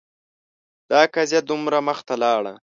دا قضیه دومره مخته لاړه